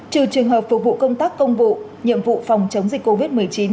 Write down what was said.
trừ trường hợp phục vụ công tác công vụ nhiệm vụ phòng chống dịch covid một mươi chín